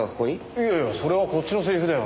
いやいやそれはこっちのセリフだよ。